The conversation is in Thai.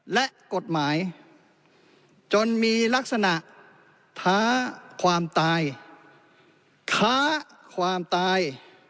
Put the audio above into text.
และกฎหมายจนมีลักษณะท้าความตาย